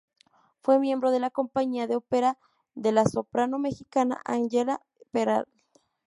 Fue miembro de la Compañía de ópera de la soprano mexicana Ángela Peralta.